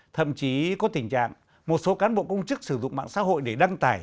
thậm chí có tình trạng một số cán bộ công chức sử dụng mạng xã hội để đăng tải